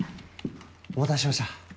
お待たせしました。